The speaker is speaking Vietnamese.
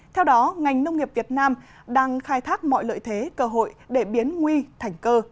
theo đó ngành nông nghiệp việt nam đang khai thác mọi lợi thế cơ hội để biến nguy thành cơ